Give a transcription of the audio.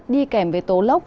đi kèm với tố lốc